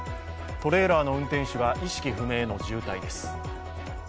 トレーラーの運転手が意識不明の重体です。